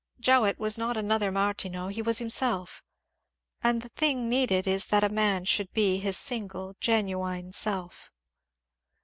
Jowett was not another Martineau, he was himself ; and the thing needed is that a man should be his single genuine self.